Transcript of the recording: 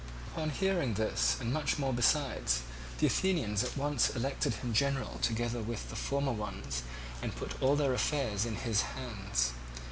Upon hearing this and much more besides, the Athenians at once elected him general together with the former ones, and put all their affairs into his hands.